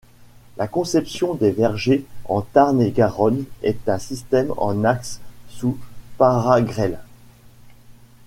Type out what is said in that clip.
La conception des vergers en Tarn-et-Garonne est un système en axe sous para-grêle.